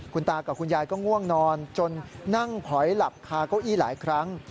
คุณตากับคุณยายก็ง่วงนอนจนนั่งผอยหลับคาเก้าอี้หลายครั้ง